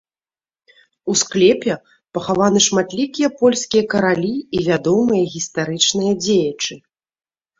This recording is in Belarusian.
У склепе пахаваны шматлікія польскія каралі і вядомыя гістарычныя дзеячы.